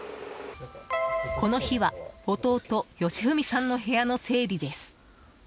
この日は弟・吉文さんの部屋の整理です。